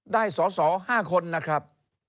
ได้สอสอ๕คนนะครับ